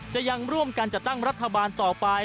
ยังร่วมกันจัดตั้งรัฐบาลต่อไป